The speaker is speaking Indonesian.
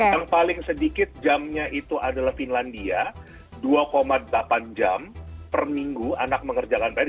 yang paling sedikit jamnya itu adalah finlandia dua delapan jam per minggu anak mengerjakan pn